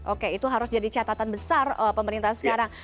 oke itu harus jadi catatan besar pemerintah sekarang